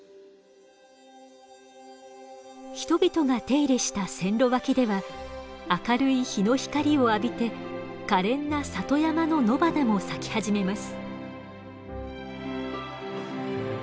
人々が手入れした線路脇では明るい日の光を浴びて可憐な里山の野花も咲き始めます。